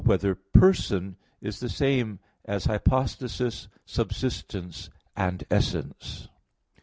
2] Whether "Person" Is the Same As Hypostasis, Subsistence, and Essence?